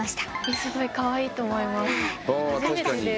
すごいかわいいと思います。